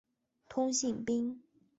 通信兵。